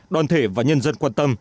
đoàn thể và nhân dân quan tâm